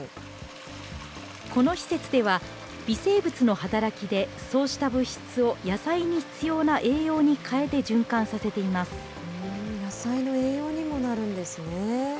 この施設では、微生物の働きでそうした物質を野菜に必要な栄養に変えて循環させ野菜の栄養にもなるんですね。